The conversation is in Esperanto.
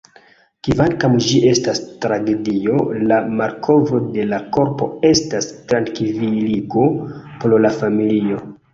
Kvankam ĝi estas tragedio, la malkovro de la korpo estas trankviligo por la familio.